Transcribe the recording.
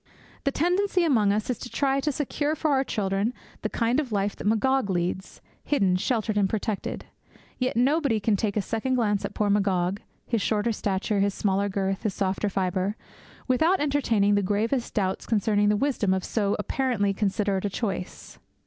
The tendency among us is to try to secure for our children the kind of life that Magog leads, hidden, sheltered, and protected. Yet nobody can take a second glance at poor Magog his shorter stature, his smaller girth, his softer fibre without entertaining the gravest doubts concerning the wisdom of so apparently considerate a choice.